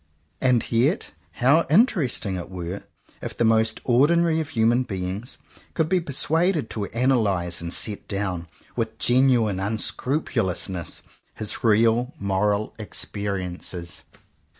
And yet how interesting it were, if the most ordinary of human beings could be persuaded to analyze and set down, with genuine unscrupulousness, his real moral experiences!